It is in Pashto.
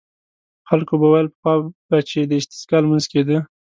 خلکو به ویل پخوا به چې د استسقا لمونځ کېده.